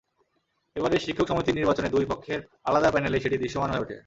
এবারের শিক্ষক সমিতির নির্বাচনে দুই পক্ষের আলাদা প্যানেলেই সেটি দৃশ্যমান হয়ে ওঠে।